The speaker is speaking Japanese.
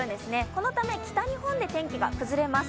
そのため北日本で天気が崩れます。